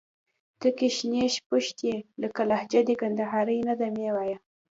تکي شنې شپيشتي. که لهجه دي کندهارۍ نه ده مې وايه